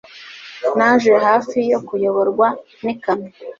Naje hafi yo kuyoborwa n'ikamyo.